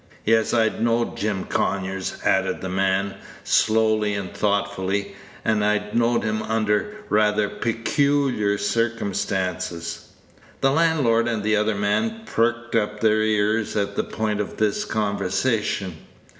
Yes, I know'd Jim Conyers," added the man, slowly and thoughtfully, "and I know'd him under rather pecooliar circumstances." The landlord and the other man pricked up their ears at this point of the conversation.